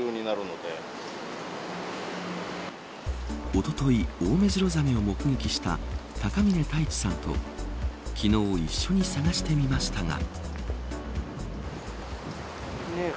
おとといオオメジロザメを目撃した高嶺太一さんと昨日、一緒に探してみましたが。